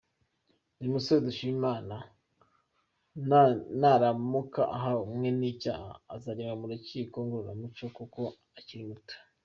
Uyu musore Dushimimana naramuka ahanwe n’icyaha, azajyanwa mu kigo ngororamuco kuko akiri muto.